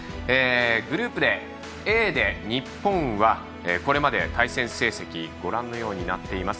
グループＡで、日本はこれまで対戦成績ご覧のようになっています。